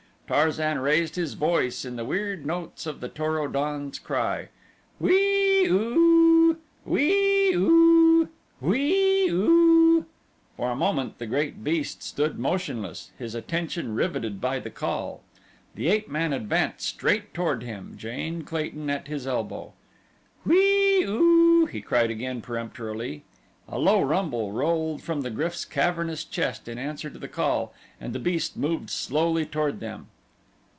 Tarzan raised his voice in the weird notes of the Tor o don's cry, "Whee oo! Whee oo! Whee oo!" For a moment the great beast stood motionless, his attention riveted by the call. The ape man advanced straight toward him, Jane Clayton at his elbow. "Whee oo!" he cried again peremptorily. A low rumble rolled from the GRYF's cavernous chest in answer to the call, and the beast moved slowly toward them.